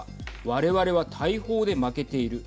われわれは大砲で負けている。